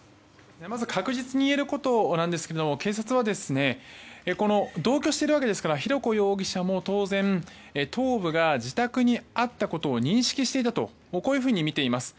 まず確実にいえることなんですけど警察はこれ、同居しているわけですから浩子容疑者も当然頭部が自宅にあったことを認識していたとみています。